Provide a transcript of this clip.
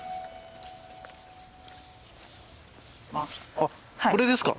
あっこれですか？